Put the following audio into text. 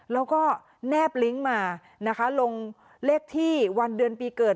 แล้วก็แนบลิงก์มานะคะลงเลขที่วันเดือนปีเกิด